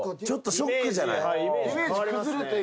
ちょっとショックじゃない？